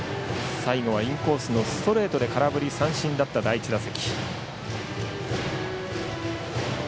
最後はインコースのストレートで空振り三振だった第１打席。